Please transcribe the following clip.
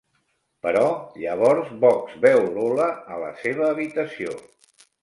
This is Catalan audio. Però llavors Bugs veu Lola a la seva habitació.